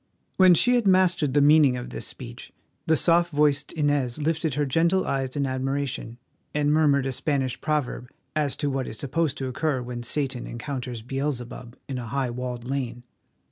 When she had mastered the meaning of this speech the soft voiced Inez lifted her gentle eyes in admiration, and murmured a Spanish proverb as to what is supposed to occur when Satan encounters Beelzebub in a high walled lane.